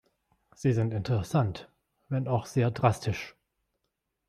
Sie sind interessant, wenn auch sehr drastisch.